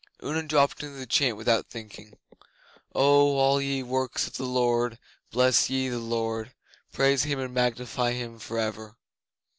Una dropped into the chant without thinking: '"O all ye works of the Lord, bless ye the Lord; praise him and magnify him for ever."